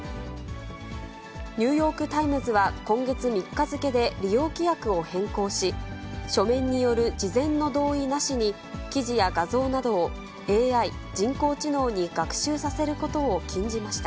ニューヨーク・タイムズは今月３日付で利用規約を変更し、書面による事前の同意なしに、記事や画像などをＡＩ・人工知能に学習させることを禁じました。